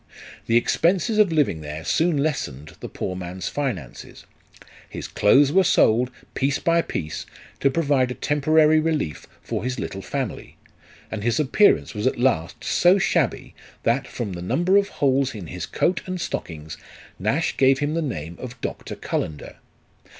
The expenses of living there soon lessened the poor man's finances ; his clothes were sold, piece by piece, to provide a temporary relief for his little family, and his appearance was at last so shabby, that, from the number of holes in his coat and stockings, Nash gave him the name of Doctor Cullender.